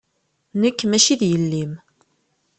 Nekk maci d yelli-m.